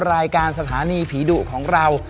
รายการสถานีผีดุของเรา